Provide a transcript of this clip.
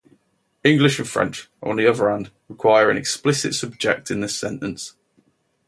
English and French, on the other hand, require an explicit subject in this sentence.